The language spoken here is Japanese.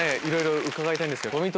いろいろ伺いたいんですけど。